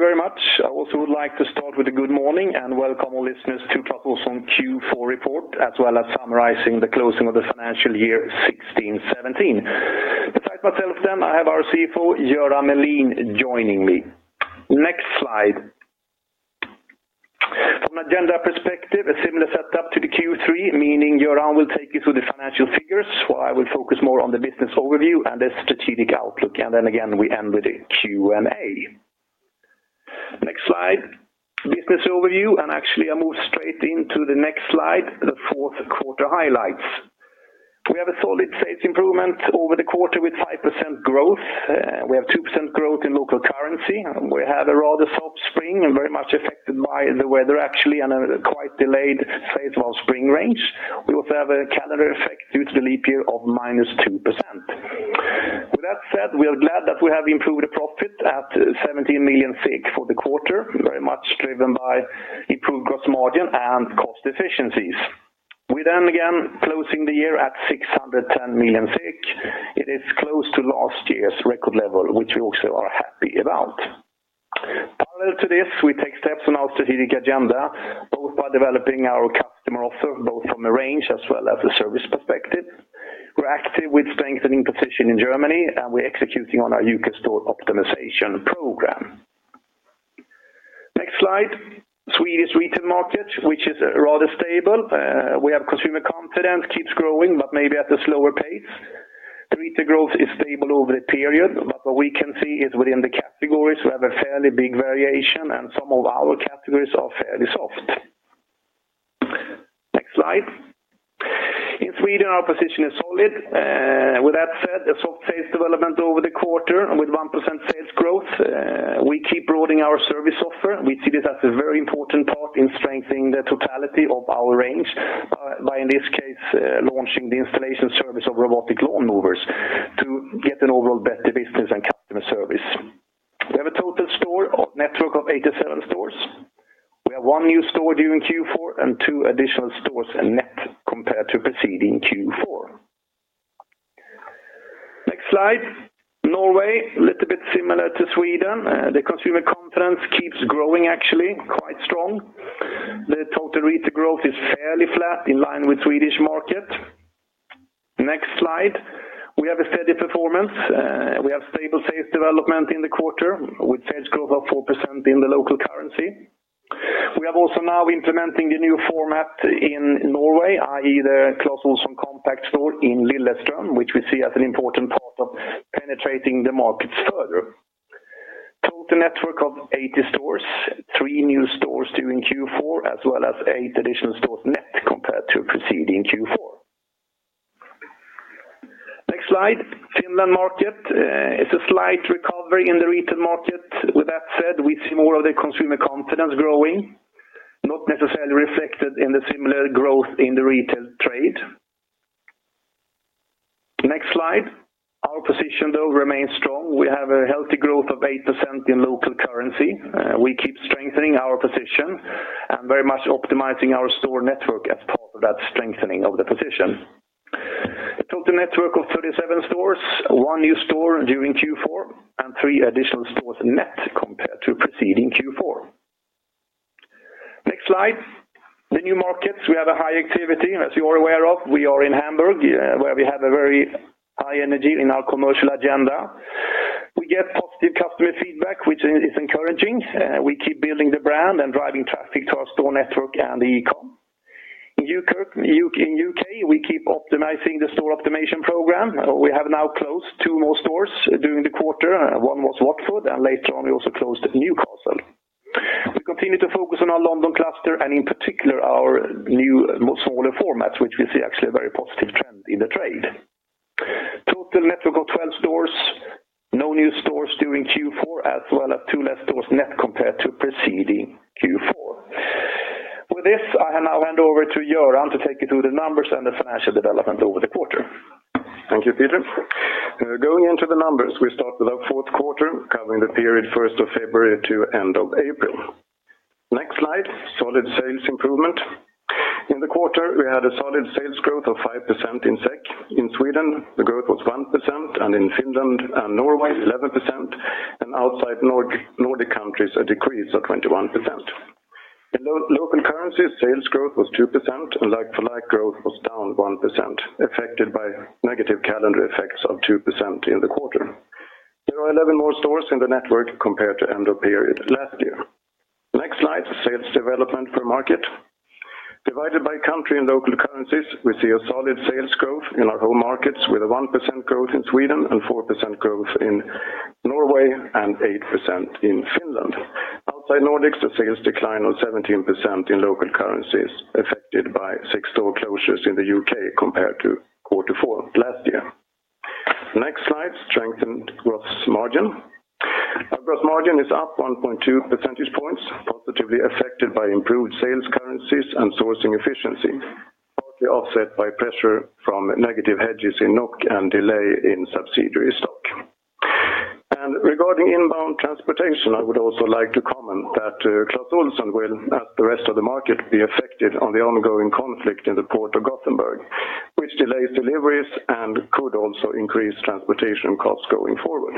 Thank you very much. I also would like to start with a good morning and welcome all listeners to Clas Ohlson Q4 Report, as well as summarizing the closing of the financial year 2016-2017. Besides myself then, I have our CFO, Göran Melin, joining me. Next slide. From an agenda perspective, a similar setup to the Q3, meaning Göran will take you through the financial figures, while I will focus more on the business overview and the strategic outlook. Then again, we end with the Q&A. Next slide. Business overview, actually I move straight into the next slide, the fourth quarter highlights. We have a solid sales improvement over the quarter with 5% growth. We have 2% growth in local currency. We have a rather soft spring and very much affected by the weather actually, and a quite delayed phase of our spring range. We also have a calendar effect due to the leap year of minus 2%. With that said, we are glad that we have improved the profit at 17 million for the quarter, very much driven by improved gross margin and cost efficiencies. We again closing the year at 610 million. It is close to last year's record level, which we also are happy about. Parallel to this, we take steps on our strategic agenda, both by developing our customer offer, both from a range as well as a service perspective. We're active with strengthening position in Germany, and we're executing on our U.K. store optimization program. Next slide. Swedish retail market, which is rather stable. We have consumer confidence keeps growing, but maybe at a slower pace. Retail growth is stable over the period. What we can see is within the categories, we have a fairly big variation, and some of our categories are fairly soft. Next slide. In Sweden, our position is solid. With that said, a soft sales development over the quarter with 1% sales growth. We keep broadening our service offer. We see this as a very important part in strengthening the totality of our range, by in this case, launching the installation service of robotic lawnmowers to get an overall better business and customer service. We have a total network of 87 stores. We have one new store during Q4 and two additional stores net compared to preceding Q4. Next slide. Norway, little bit similar to Sweden. The consumer confidence keeps growing actually, quite strong. The total retail growth is fairly flat in line with Swedish market. Next slide. We have a steady performance. We have stable sales development in the quarter with sales growth of 4% in the local currency. We have also now implementing the new format in Norway, i.e. the Clas Ohlson Compact Store in Lillestrøm, which we see as an important part of penetrating the markets further. Total network of 80 stores, three new stores during Q4, as well as 8 additional stores net compared to preceding Q4. Next slide. Finland market is a slight recovery in the retail market. With that said, we see more of the consumer confidence growing, not necessarily reflected in the similar growth in the retail trade. Next slide. Our position though remains strong. We have a healthy growth of 8% in local currency. We keep strengthening our position and very much optimizing our store network as part of that strengthening of the position. Total network of 37 stores, one new store during Q4, and three additional stores net compared to preceding Q4. Next slide. The new markets, we have a high activity. As you are aware of, we are in Hamburg, where we have a very high energy in our commercial agenda. We get positive customer feedback, which is encouraging. We keep building the brand and driving traffic to our store network and the e-com. In U.K., we keep optimizing the store optimization program. We have now closed two more stores during the quarter. One was Watford, and later on, we also closed Newcastle. We continue to focus on our London cluster, and in particular, our new smaller formats, which we see actually a very positive trend in the trade. Total network of 12 stores, no new stores during Q4, as well as two less stores net compared to preceding Q4. With this, I now hand over to Göran to take you through the numbers and the financial development over the quarter. Thank you, Peter. Going into the numbers, we start with our fourth quarter, covering the period 1st of February to end of April. Next slide, solid sales improvement. In the quarter, we had a solid sales growth of 5% in SEK. In Sweden, the growth was 1%, and in Finland and Norway, 11%, and outside Nordic countries, a decrease of 21%. In local currencies, sales growth was 2%, and like-for-like growth was down 1%, affected by negative calendar effects of 2% in the quarter. There are 11 more stores in the network compared to end of period last year. Next slide, sales development per market. Divided by country and local currencies, we see a solid sales growth in our home markets with a 1% growth in Sweden and 4% growth in Norway and 8% in Finland. Outside Nordics, the sales decline of 17% in local currencies affected by six store closures in the U.K. compared to quarter four last year. Next slide, strengthened gross margin. Our gross margin is up 1.2 percentage points, positively affected by improved sales currencies and sourcing efficiency, partly offset by pressure from negative hedges in NOK and delay in subsidiary stock. Regarding inbound transportation, I would also like to comment that Clas Ohlson will, like the rest of the market, be affected on the ongoing conflict in the Port of Gothenburg. Which delays deliveries and could also increase transportation costs going forward.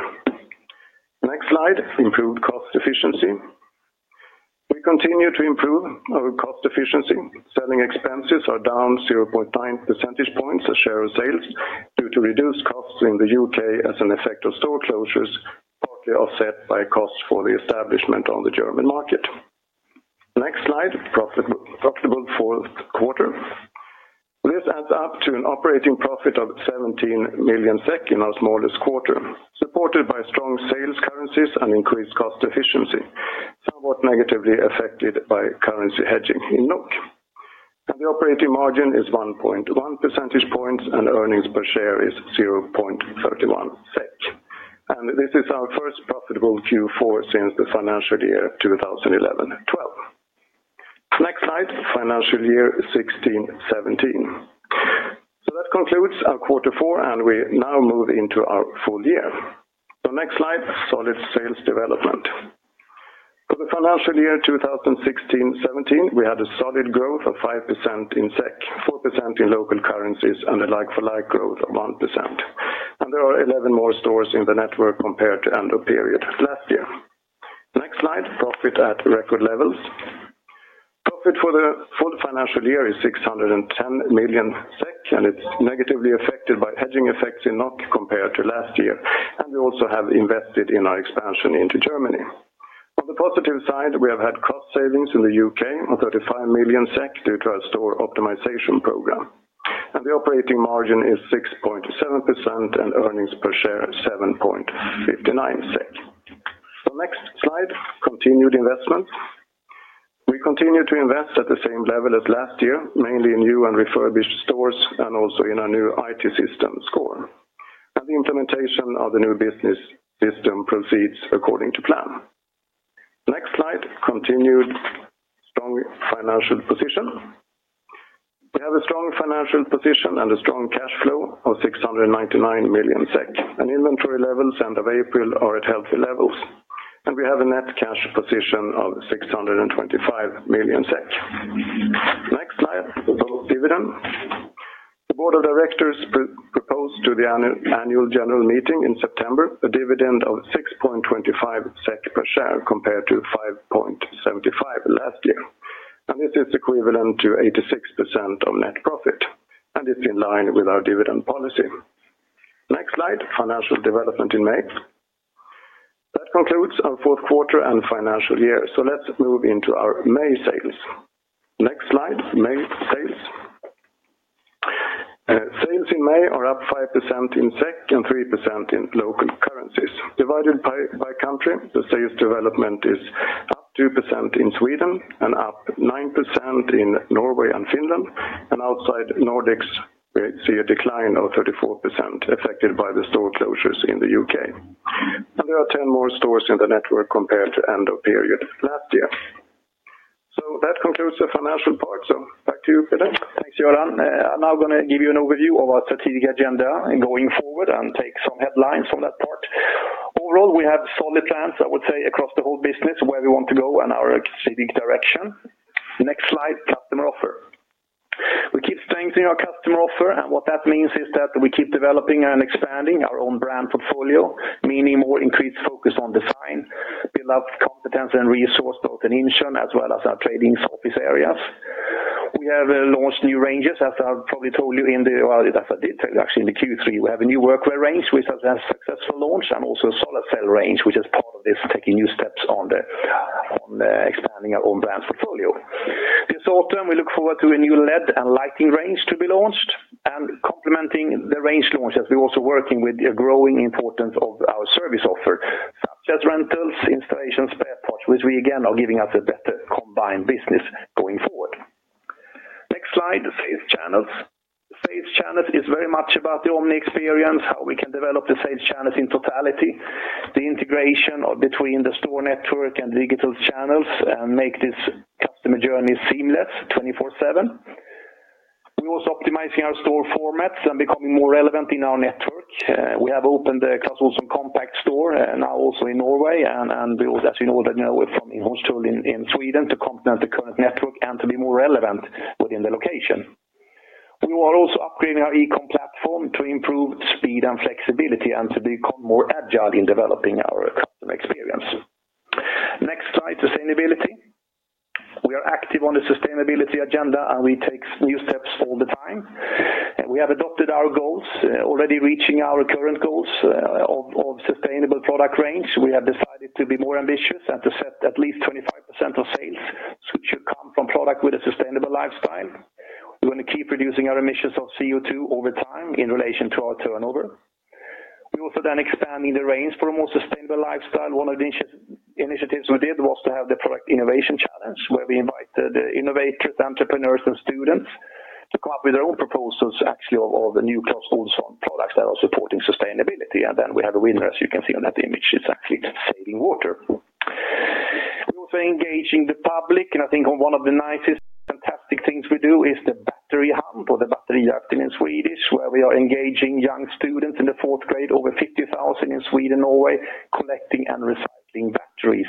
Next slide, improved cost efficiency. We continue to improve our cost efficiency. Selling expenses are down 0.9 percentage points as share of sales due to reduced costs in the U.K. as an effect of store closures, partly offset by costs for the establishment on the German market. Next slide, profitable fourth quarter. This adds up to an operating profit of 17 million SEK in our smallest quarter, supported by strong sales currencies and increased cost efficiency, somewhat negatively affected by currency hedging in NOK. The operating margin is 1.1 percentage points, and earnings per share is 0.31 SEK. This is our first profitable Q4 since the financial year 2011 and 2012. Next slide, financial year 2016-2017. That concludes our quarter four, and we now move into our full year. Next slide, solid sales development. For the financial year 2016-2017, we had a solid growth of 5% in SEK, 4% in local currencies, and a like-for-like growth of 1%. There are 11 more stores in the network compared to end of period last year. Next slide, profit at record levels. Profit for the full financial year is 610 million SEK, and it's negatively affected by hedging effects in NOK compared to last year. We also have invested in our expansion into Germany. On the positive side, we have had cost savings in the U.K. of 35 million SEK due to our store optimization program. The operating margin is 6.7%, and earnings per share is 7.59. Next slide, continued investment. We continue to invest at the same level as last year, mainly in new and refurbished stores and also in our new IT system score. The implementation of the new business system proceeds according to plan. Next slide, continued strong financial position. We have a strong financial position and a strong cash flow of 699 million SEK, inventory levels end of April are at healthy levels. We have a net cash position of 625 million SEK. Next slide, proposed dividend. The board of directors proposed to the annual general meeting in September a dividend of 6.25 SEK per share compared to 5.75 SEK last year. This is equivalent to 86% of net profit, it's in line with our dividend policy. Next slide, financial development in May. That concludes our fourth quarter and financial year. Let's move into our May sales. Next slide, May sales. Sales in May are up 5% in SEK and 3% in local currencies. Divided by country, the sales development is up 2% in Sweden and up 9% in Norway and Finland. Outside Nordics, we see a decline of 34% affected by the store closures in the U.K. There are 10 more stores in the network compared to end of period last year. That concludes the financial part, back to you, Peter. Thanks, Göran. I'm now gonna give you an overview of our strategic agenda going forward and take some headlines from that part. Overall, we have solid plans, I would say, across the whole business where we want to go and our strategic direction. Next slide, customer offer. We keep strengthening our customer offer, and what that means is that we keep developing and expanding our own brand portfolio, meaning more increased focus on design, build up competence and resource, both in Insjön as well as our trading office areas. We have launched new ranges, as I probably told you in the, well, as I did actually in the Q3. We have a new workwear range which has had a successful launch and also a solid sell range, which is part of this taking new steps on expanding our own brand portfolio. This autumn, we look forward to a new LED and lighting range to be launched. Complementing the range launch, as we're also working with the growing importance of our service offer, such as rentals, installations, spare parts, which we again are giving us a better combined business going forward. Next slide, sales channels. Sales channels is very much about the omni experience, how we can develop the sales channels in totality, between the store network and digital channels and make this customer journey seamless 24/7. We're also optimizing our store formats and becoming more relevant in our network. We have opened a Clas Ohlson Compact Store now also in Norway and built, as you know, that now from Insjön in Sweden to complement the current network and to be more relevant within the location. We are also upgrading our e-com platform to improve speed and flexibility and to become more agile in developing our customer experience. Next slide, sustainability. We are active on the sustainability agenda, and we take new steps all the time. We have adopted our goals, already reaching our current goals, of sustainable product range. We have decided to be more ambitious and to set at least 25% of sales, which should come from product with a sustainable lifestyle. We want to keep reducing our emissions of CO2 over time in relation to our turnover. We're also then expanding the range for a more sustainable lifestyle. One of the initiatives we did was to have the Product Innovation Challenge, where we invited innovators, entrepreneurs, and students to come up with their own proposals actually of the new Clas Ohlson products that are supporting sustainability. We have a winner, as you can see on that image. It's actually saving water. We're also engaging the public, I think one of the nicest, fantastic things we do is the Battery Hunt, or the Batterijakten in Swedish, where we are engaging young students in the 4th grade, over 50,000 in Sweden, Norway, collecting and recycling batteries.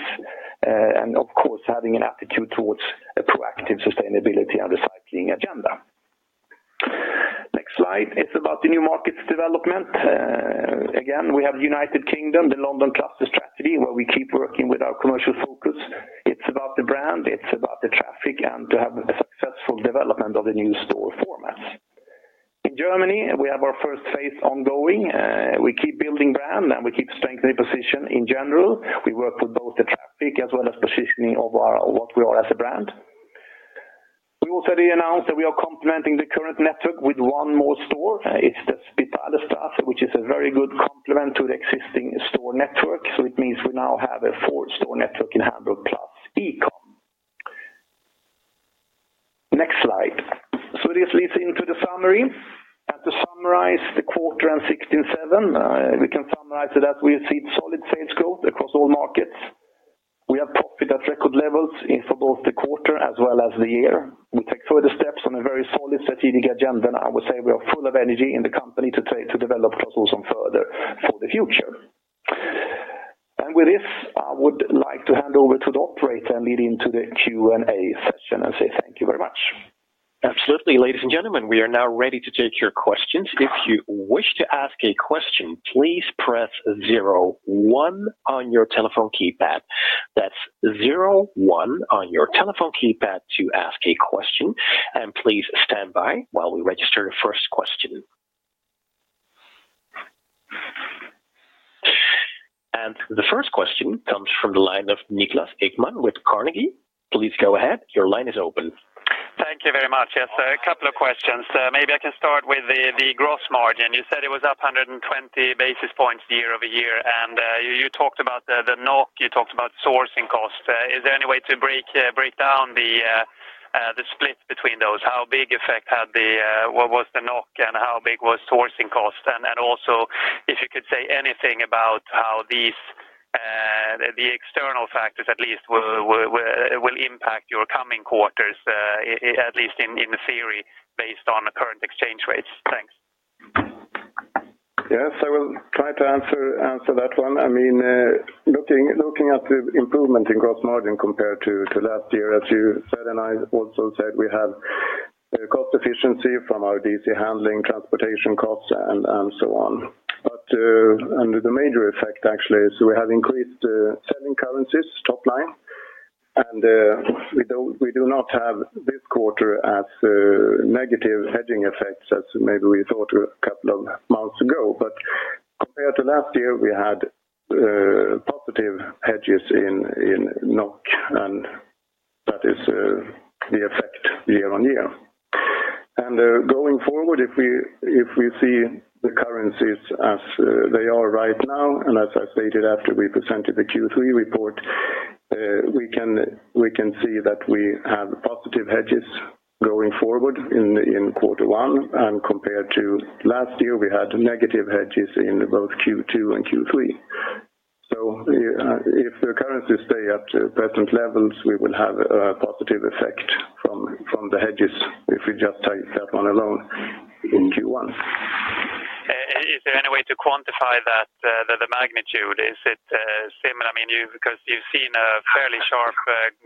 Having an attitude towards a proactive sustainability and recycling agenda. Next slide, it's about the new markets development. Again, we have United Kingdom, the London cluster strategy, where we keep working with our commercial focus. It's about the brand, it's about the traffic, and to have a successful development of the new store formats. In Germany, we have our first phase ongoing. We keep building brand, and we keep strengthening position in general. We work with both the traffic as well as positioning of what we are as a brand. We also re-announce that we are complementing the current network with one more store. It's the Spitalerstraße, which is a very good complement to the existing store network. It means we now have a 4-store network in Hamburg plus e-com. Next slide. This leads into the summary. To summarize the quarter and 16-7, we can summarize it as we have seen solid sales growth across all markets. We have profit at record levels in for both the quarter as well as the year. We take further steps on a very solid strategic agenda, and I would say we are full of energy in the company to try to develop Clas Ohlson further for the future. With this, I would like to hand over to the operator and lead into the Q&A session and say thank you very much. Absolutely. Ladies and gentlemen, we are now ready to take your questions. If you wish to ask a question, please press zero one on your telephone keypad. That's zero one on your telephone keypad to ask a question, and please stand by while we register the first question. The first question comes from the line of Niklas Ekman with Carnegie. Please go ahead. Your line is open. Thank you very much. Yes, a couple of questions. Maybe I can start with the gross margin. You said it was up 120 basis points year-over-year, and you talked about the NOK, you talked about sourcing costs. Is there any way to break down the split between those? How big effect had the what was the NOK and how big was sourcing costs? Also if you could say anything about how these, the external factors at least will impact your coming quarters, at least in theory, based on the current exchange rates. Thanks. I will try to answer that one. I mean, looking at the improvement in gross margin compared to last year, as you said, and I also said, we have cost efficiency from our DC handling, transportation costs and so on. The major effect actually is we have increased selling currencies top line. We do not have this quarter as negative hedging effects as maybe we thought a couple of months ago. Compared to last year, we had positive hedges in NOK, and that is the effect year-over-year. Going forward, if we see the currencies as they are right now, as I stated after we presented the Q3 report, we can see that we have positive hedges going forward in Q1. Compared to last year, we had negative hedges in both Q2 and Q3. If the currencies stay at present levels, we will have a positive effect from the hedges if we just take that one alone in Q1. Is there any way to quantify that, the magnitude? Is it similar? I mean, because you've seen a fairly sharp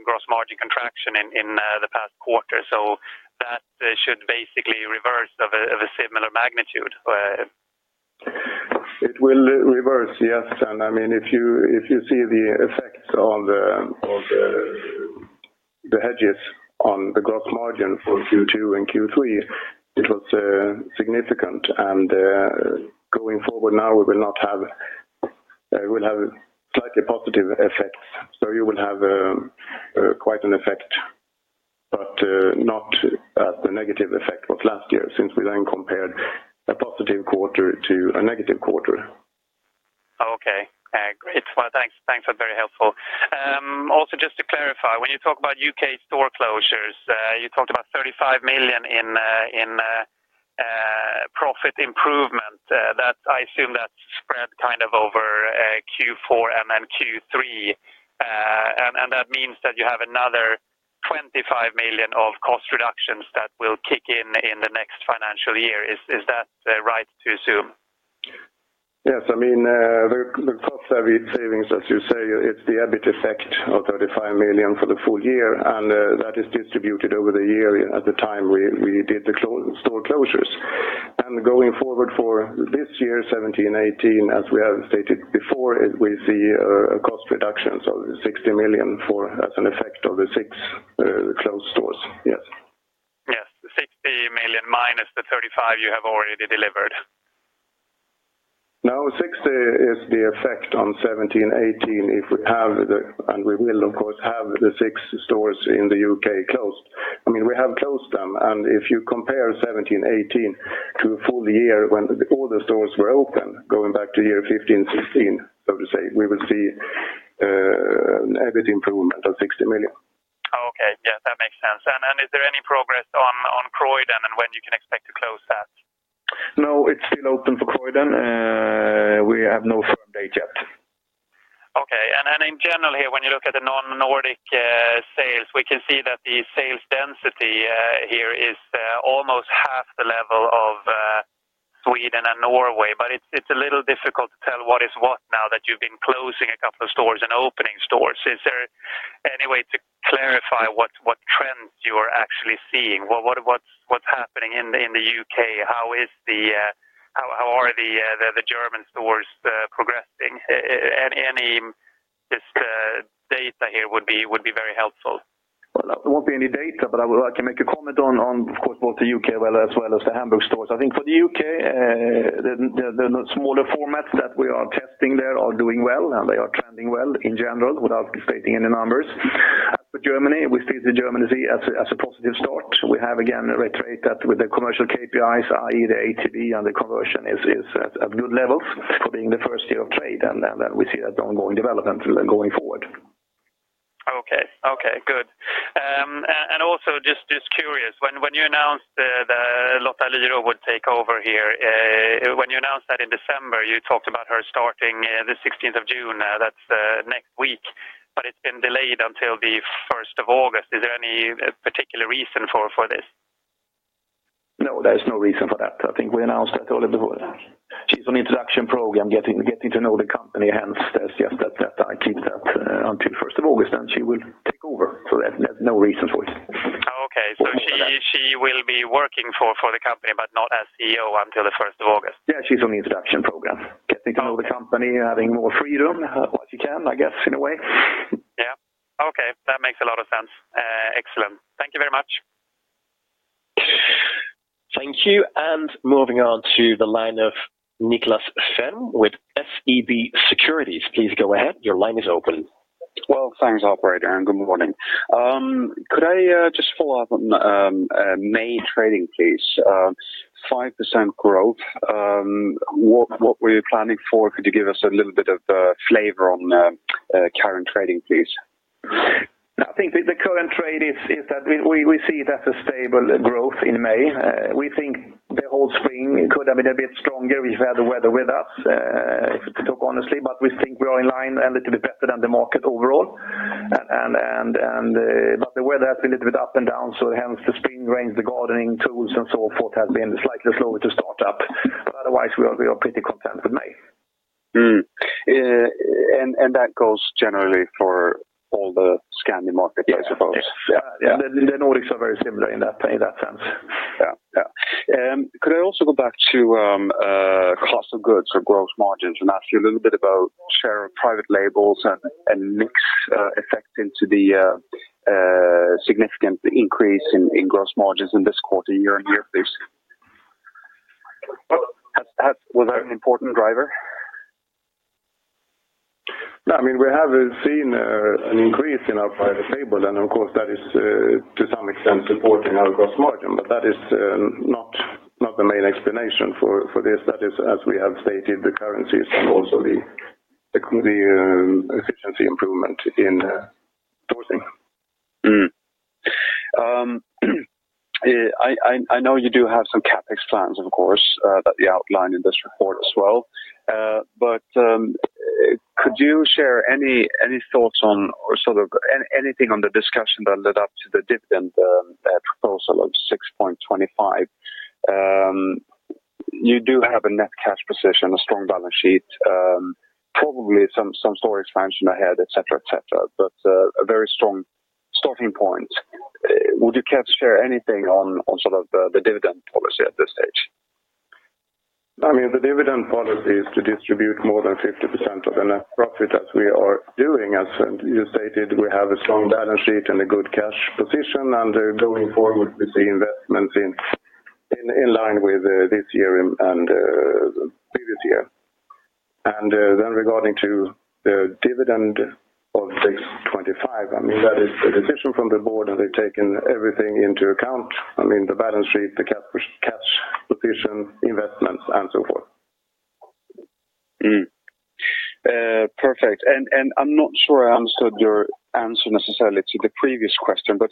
gross margin contraction in the past quarter, so that should basically reverse of a similar magnitude. It will reverse, yes. I mean, if you see the effects on the hedges on the gross margin for Q2 and Q3, it was significant. Going forward now. We'll have slightly positive effects. You will have quite an effect, but not as the negative effect of last year, since we then compared a positive quarter to a negative quarter. Okay. Great. Well, thanks. That's very helpful. Just to clarify, when you talk about U.K. store closures, you talked about 35 million in profit improvement. I assume that's spread kind of over Q4 and then Q3. That means that you have another 25 million of cost reductions that will kick in in the next financial year. Is that right to assume? Yes. I mean, the cost savings, as you say, it's the EBIT effect of 35 million for the full year. That is distributed over the year at the time we did the store closures. Going forward for this year, 2017-2018, as we have stated before, we see a cost reduction, so 60 million for as an effect of the six closed stores. Yes. Yes. 60 million minus the 35 million you have already delivered. No, 60 is the effect on 2017-2018 if we have the, and we will of course have the six stores in the U.K. closed. I mean, we have closed them. If you compare 2017-2018 to a full year when all the stores were open, going back to year 2015-2016, so to say, we will see an EBIT improvement of SEK 60 million. Okay. Yes, that makes sense. Is there any progress on Croydon and when you can expect to close that? No, it's still open for Croydon. We have no firm date yet. Okay. In general here, when you look at the non-Nordic sales, we can see that the sales density here is almost half the level of Sweden and Norway, but it's a little difficult to tell what is what now that you've been closing a couple of stores and opening stores. Is there any way to clarify what trends you are actually seeing? What's happening in the U.K.? How are the German stores progressing? Any just data here would be very helpful. Well, there won't be any data, but I can make a comment on of course, both the U.K. as well as the Hamburg stores. I think for the U.K., the smaller formats that we are testing there are doing well, and they are trending well in general without stating any numbers. For Germany, we see the Germany as a positive start. We have again a rate that with the commercial KPIs, i.e. the ATB and the conversion is at good levels for being the first year of trade. We see that ongoing development going forward. Okay. Okay, good. Also just curious, when you announced that Lotta Lyrå would take over here, when you announced that in December, you talked about her starting the 16th of June, that's next week, but it's been delayed until the first of August. Is there any particular reason for this? There is no reason for that. I think we announced that all of the board. She's on introduction program, getting to know the company, hence that's just that I keep that until first of August, then she will take over. There's no reason for it. Oh, okay. She will be working for the company, but not as CEO until the first of August. Yeah, she's on the introduction program. Oh. Getting to know the company, having more freedom, what she can, I guess, in a way. Yeah. Okay. That makes a lot of sense. Excellent. Thank you very much. Thank you. Moving on to the line of Niklas Frykman with SEB Equities. Please go ahead. Your line is open. Well, thanks operator, and good morning. Could I just follow up on May trading, please? 5% growth, what were you planning for? Could you give us a little bit of flavor on current trading, please? I think the current trade is that we see it as a stable growth in May. We think the whole spring could have been a bit stronger if we had the weather with us, to talk honestly, but we think we are in line and a little bit better than the market overall. The weather has been a little bit up and down, so hence the spring rains, the gardening tools and so forth have been slightly slower to start up. Otherwise we are pretty content with May. Mm. That goes generally for all the Scandi markets, I suppose? Yeah. Yes. Yeah. Yeah. The Nordics are very similar in that sense. Yeah. Yeah. Could I also go back to, cost of goods or gross margins and ask you a little bit about share of private labels and mix, effect into the, significant increase in gross margins in this quarter year-on-year, please? Well. Was that an important driver? No, I mean, we have seen an increase in our private label, and of course, that is to some extent supporting our gross margin. That is not the main explanation for this. That is, as we have stated, the currencies and also the efficiency improvement in sourcing. I know you do have some CapEx plans of course, that you outline in this report as well. But, could you share any thoughts on or sort of anything on the discussion that led up to the dividend proposal of 6.25? You do have a net cash position, a strong balance sheet, probably some store expansion ahead, et cetera, et cetera, but a very strong starting point. Would you care to share anything on sort of the dividend policy at this stage? I mean, the dividend policy is to distribute more than 50% of the net profit as we are doing. As you stated, we have a strong balance sheet and a good cash position. Going forward, we see investments in line with this year and the previous year. Regarding to the dividend of 6.25, I mean, that is a decision from the board, and they've taken everything into account. I mean, the balance sheet, the cash position, investments and so forth. Perfect. I'm not sure I understood your answer necessarily to the previous question, but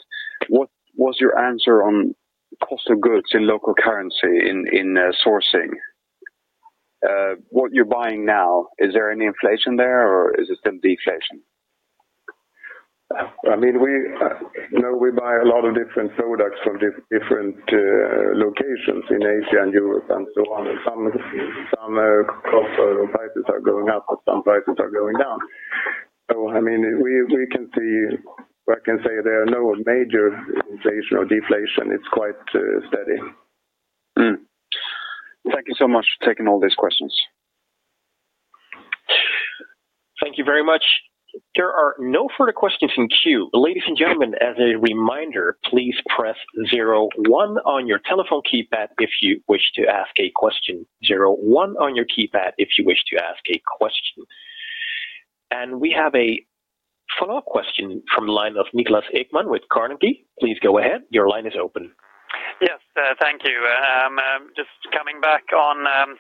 what was your answer on cost of goods in local currency in sourcing? What you're buying now, is there any inflation there or is it still deflation? I mean, we, you know, we buy a lot of different products from different locations in Asia and Europe and so on. Some cost prices are going up and some prices are going down. I mean, we can see, or I can say there are no major inflation or deflation. It's quite steady. Thank you so much for taking all these questions. Thank you very much. There are no further questions in queue. Ladies and gentlemen, as a reminder, please press zero one on your telephone keypad if you wish to ask a question. Zero one on your keypad if you wish to ask a question. We have a follow-up question from the line of Niklas Ekman with Carnegie. Please go ahead. Your line is open. Yes, thank you. Just coming back on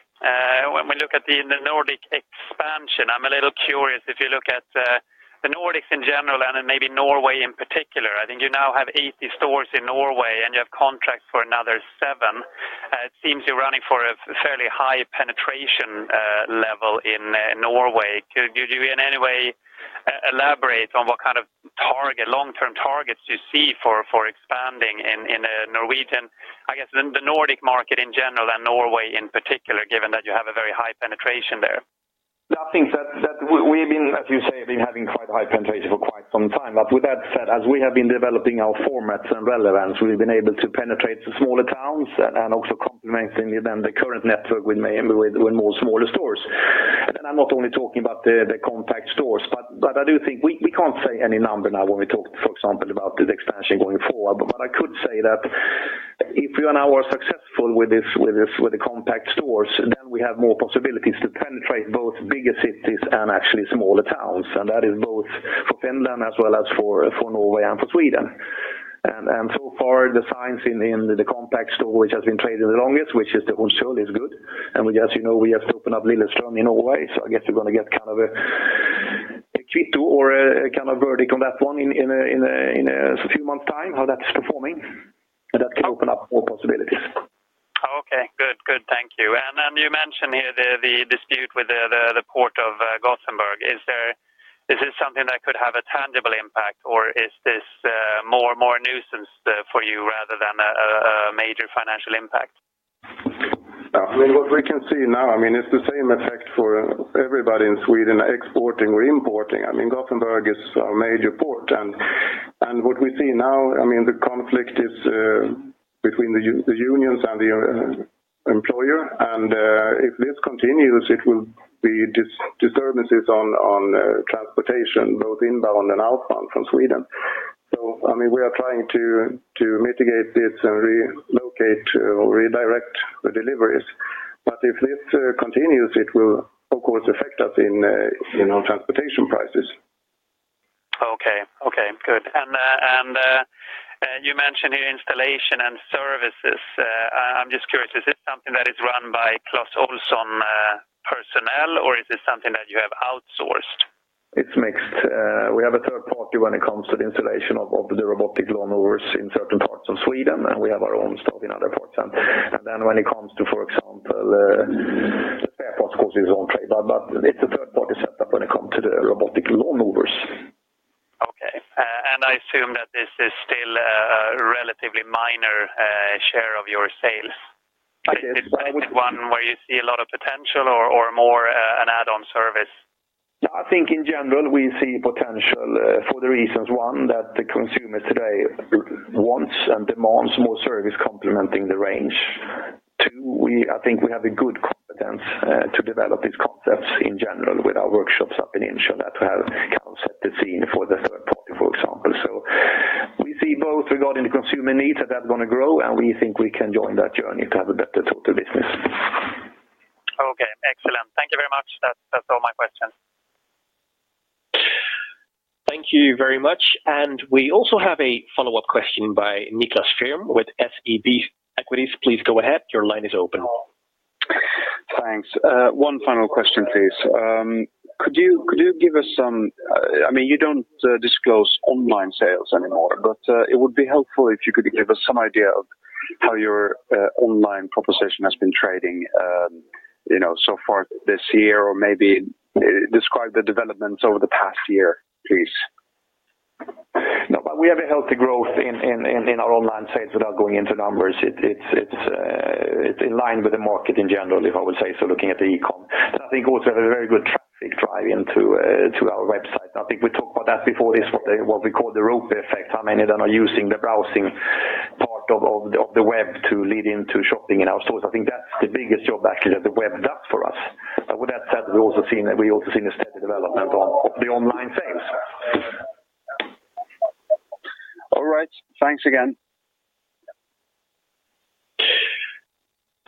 when we look at the Nordic expansion, I'm a little curious if you look at the Nordics in general and then maybe Norway in particular. I think you now have 80 stores in Norway, and you have contracts for another seven. It seems you're running for a fairly high penetration level in Norway. Could you, do you in any way elaborate on what kind of target, long-term targets you see for expanding in Norwegian? I guess in the Nordic market in general and Norway in particular, given that you have a very high penetration there. I think that we've been, as you say, been having quite a high penetration for quite some time. With that said, as we have been developing our formats and relevance, we've been able to penetrate to smaller towns and also complementing then the current network with more smaller stores. I'm not only talking about the compact stores, but I do think. We can't say any number now when we talk, for example, about the expansion going forward. What I could say that if we are now successful with this, with the compact stores, then we have more possibilities to penetrate both bigger cities and actually smaller towns. That is both for Finland as well as for Norway and for Sweden. So far, the signs in the compact store which has been traded the longest, which is the Hornstull, is good. As you know, we have to open up Lillestrøm in Norway, so I guess we're gonna get kind of a KPI or a kind of verdict on that one in a few months time, how that's performing. That can open up more possibilities. Okay. Good. Good. Thank you. you mentioned here the dispute with the Port of Gothenburg. Is this something that could have a tangible impact, or is this more a nuisance for you rather than a major financial impact? I mean, what we can see now, I mean, it's the same effect for everybody in Sweden exporting or importing. I mean, Gothenburg is our major port. What we see now, I mean, the conflict is between the unions and the employer. If this continues, it will be disturbances on transportation, both inbound and outbound from Sweden. I mean, we are trying to mitigate this and relocate or redirect the deliveries. If this continues, it will of course affect us in, you know, transportation prices. Okay. Okay, good. You mentioned here installation and services. I'm just curious, is this something that is run by Clas Ohlson personnel, or is this something that you have outsourced? It's mixed. We have a third party when it comes to the installation of the robotic lawn mowers in certain parts of Sweden, and we have our own staff in other parts. Then when it comes to, for example, the spare parts, of course, is on trade. But it's a third party set up when it comes to the robotic lawn mowers. Okay. I assume that this is still a relatively minor share of your sales. I think so. Is this one where you see a lot of potential or more an add-on service? Yeah, I think in general we see potential for the reasons, one, that the consumer today wants and demands more service complementing the range. Two, I think we have a good confidence to develop these concepts in general with our workshops up in Insjön that we have kind of set the scene for the third party, for example. We see both regarding the consumer needs that that's going to grow, and we think we can join that journey to have a better total business. Okay, excellent. Thank you very much. That's all my questions. Thank you very much. We also have a follow-up question by Niklas Frykman with SEB Equities. Please go ahead. Your line is open. Thanks. One final question, please. Could you give us some I mean, you don't disclose online sales anymore, but it would be helpful if you could give us some idea of how your online proposition has been trading, you know, so far this year, or maybe describe the developments over the past year, please? We have a healthy growth in our online sales. Without going into numbers, it's in line with the market in general, if I will say so, looking at the e-com. I think also we have a very good traffic drive into our website. I think we talked about that before. It's what we call the ROPO effect. How many that are using the browsing part of the web to lead into shopping in our stores. I think that's the biggest job actually that the web does for us. With that said, We also seen a steady development on the online sales. All right. Thanks again.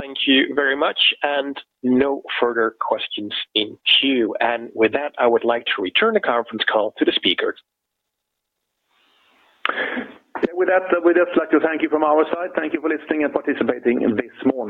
Thank you very much. No further questions in queue. With that, I would like to return the conference call to the speaker. Yeah, with that, I'd like to thank you from our side. Thank you for listening and participating in this morning.